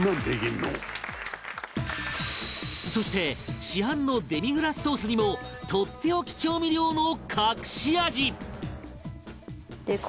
そして市販のデミグラスソースにもとっておき調味料の隠し味